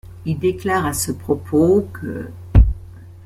Il déclare à ce propos qu'.